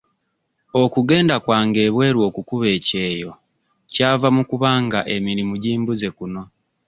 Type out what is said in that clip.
Okugenda kwange ebweru okukuba ekyeyo kyava mu kuba nga emirimu gimbuze kuno.